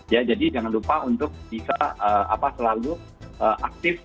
ya jadi jangan lupa untuk bisa selalu aktif